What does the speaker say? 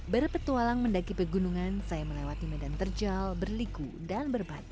berpetualang mendaki pegunungan saya melewati medan terjal berliku dan berbagi